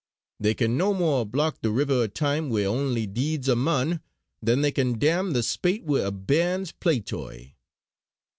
They can no more block the river o' time wi' ony deeds o' mon, than they can dam the spate wi' a bairn's playtoy."